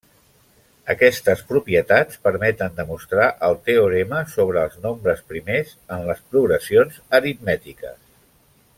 Aquestes propietats permeten demostrar el teorema sobre els nombres primers en les progressions aritmètiques.